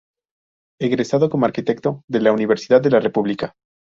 Egresado como arquitecto de la Universidad de la República.